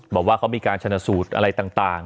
บอกว่าเขามีการชนะสูตรอะไรต่าง